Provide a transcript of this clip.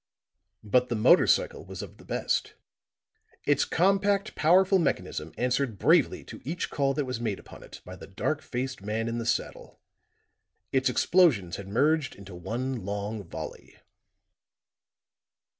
But the motor cycle was of the best; its compact, powerful mechanism answered bravely to each call that was made upon it by the dark faced man in the saddle; its explosions had merged into one long volley.